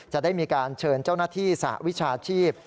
จะได้มีการเชิญเจ้าหน้าที่สหวิชาชีพ